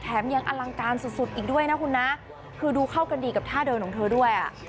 ยังอลังการสุดสุดอีกด้วยนะคุณนะคือดูเข้ากันดีกับท่าเดินของเธอด้วยอ่ะ